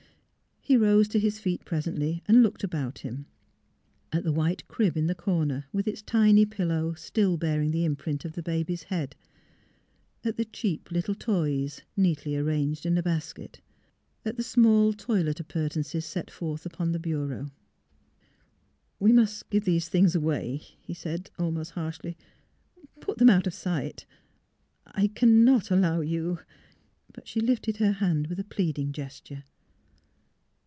He rose to his feet presently and looked about him — at the white crib in the corner with 354 THE HEART OF PHILURA its tiny pillow, still bearing the imprint of tlie baby's head; at the cheap little toys, neatly ar ranged in a basket; at the small toilet appurte nances set forth upon the bureau. ..." We must give these things away," he said, almost harshly, " put them out of sight; I cannot allow you " She lifted her hand with a pleading ges+ure.